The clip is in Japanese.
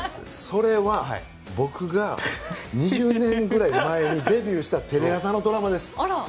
それは僕が２０年ぐらい前にデビューしたテレ朝のドラマです。